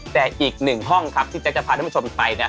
แต่อีกหนึ่งห้องที่จะพาทุกผู้ชมไป